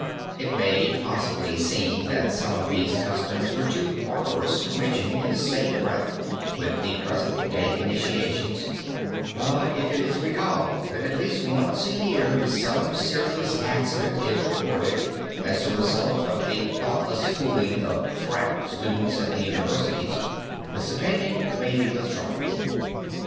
It may possibly seem that some of these customs were too barbarous to mention in the same breath with the present day initiations, but if it is recalled that at least once a year some serious accident is reported as the result of the thoughtless fooling of "frat" students at our universities, this opinion may be withdrawn.